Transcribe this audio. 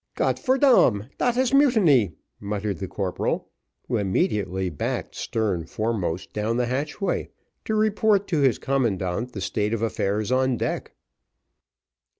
"Got for dam, dat is mutiny," muttered the corporal, who immediately backed stern foremost down the hatchway, to report to his commandant the state of affairs on deck.